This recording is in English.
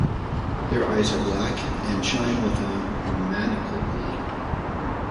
Their eyes are black, and shine with a maniacal gleam.